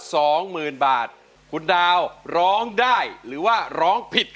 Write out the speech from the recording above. แล้วก็เห็นสายตามุ่งมั่นของคนที่เป็นลูกที่แม่นั่งอยู่ตรงนี้ด้วย